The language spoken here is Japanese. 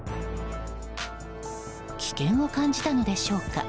危険を感じたのでしょうか。